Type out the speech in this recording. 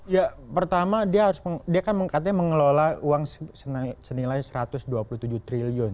ya pertama dia kan mengelola uang senilai satu ratus dua puluh tujuh triliun